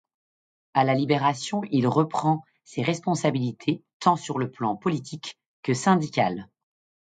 À la Libération, il reprend ses responsabilités tant sur le plan politique que syndical.